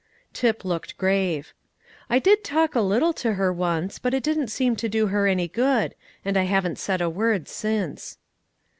Tip looked grave. "I did talk a little to her once, but it didn't seem to do her any good, and I haven't said a word since."